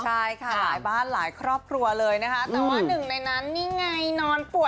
ใช่ค่ะค่ะหลายบ้านหลายครอบครัวเลยนะหลายครอบครัวเลยนะคะแต่ว่าหนึ่งในนั้นนี่ไงนอนป่วย